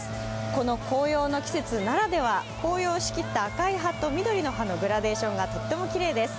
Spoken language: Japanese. この紅葉の季節ならでは紅葉しきった赤い葉と緑のグラデーションがとってもきれいです。